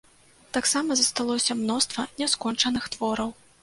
Таксама засталося мноства няскончаных твораў.